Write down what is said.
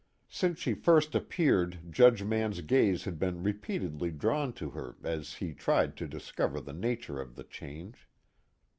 Since she first appeared Judge Mann's gaze had been repeatedly drawn to her as he tried to discover the nature of the change.